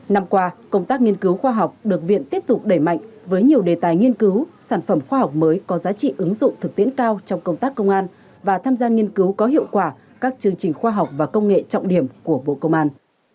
năm qua công tác nghiên cứu khoa học được viện tiếp tục đẩy mạnh với nhiều đề tài nghiên cứu sản phẩm khoa học mới có giá trị ứng dụng thực tiễn cao trong công tác công an và tham gia nghiên cứu có hiệu quả các chương trình khoa học và công nghệ trọng điểm của bộ công an